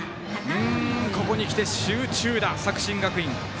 ここにきて集中打、作新学院。